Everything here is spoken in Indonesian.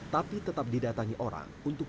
tapi tetap didatangi orang untuk